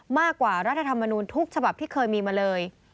มากกว่ารัฐธรรมนูลทุกฉบับที่เคยมีมาเลย